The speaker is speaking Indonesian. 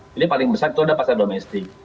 jadi paling besar itu ada pasar domestik